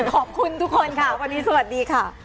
ขอบคุณทุกคนขาวันนี้สวัสดีครับ